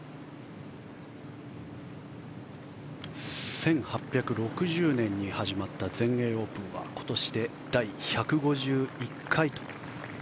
１８６０年に始まった全英オープンは今年で第１５１回。